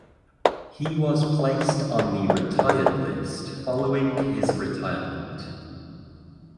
He was placed on the retired list following his retirement.